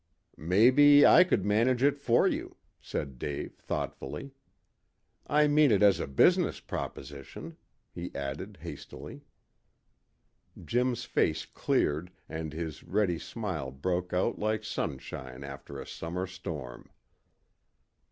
"Maybe I could manage it for you," said Dave thoughtfully. "I mean it as a business proposition," he added hastily. Jim's face cleared, and his ready smile broke out like sunshine after a summer storm.